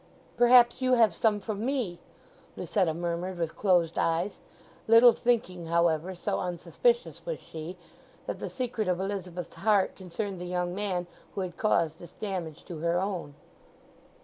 "Perhaps you have some from me," Lucetta murmured with closed eyes, little thinking, however, so unsuspicious was she, that the secret of Elizabeth's heart concerned the young man who had caused this damage to her own.